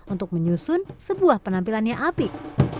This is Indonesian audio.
untuk menyusun sebuah penampilannya apik